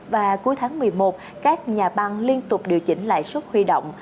và cuối tháng một mươi một các nhà băng liên tục điều chỉnh lại suất huy động